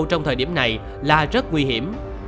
trong thời điểm này là rất nguy hiểm